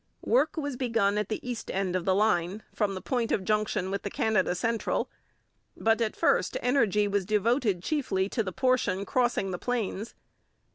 Work was begun at the east end of the line, from the point of junction with the Canada Central, but at first energy was devoted chiefly to the portion crossing the plains.